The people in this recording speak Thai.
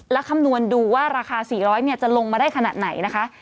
และคำนวณดูว่าราคา๔๐๐จะลงมาได้ขนาดไหนนะคะ